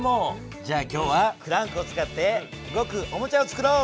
じゃあ今日はクランクを使って動くおもちゃをつくろう！